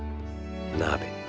鍋。